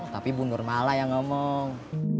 tapi bu nur malah yang ngomong